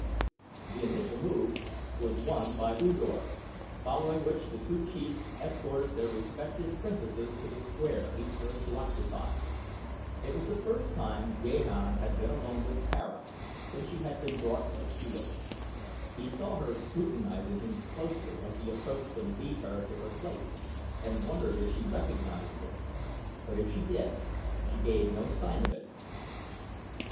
The initial move was won by U Dor, following which the two Chiefs escorted their respective Princesses to the square each was to occupy. It was the first time Gahan had been alone with Tara since she had been brought upon the field. He saw her scrutinizing him closely as he approached to lead her to her place and wondered if she recognized him: but if she did she gave no sign of it.